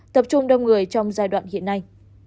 tập trung đông người trong giai đoạn hiện nay